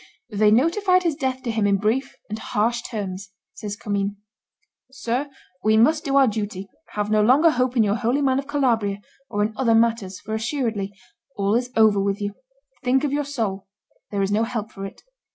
"They notified his death to him in brief and harsh terms," says Commynes; "'Sir, we must do our duty; have no longer hope in your holy man of Calabria or in other matters, for assuredly all is over with you; think of your soul; there is no help for it.